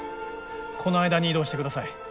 この間に移動してください。